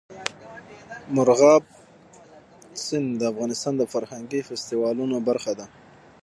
مورغاب سیند د افغانستان د فرهنګي فستیوالونو برخه ده.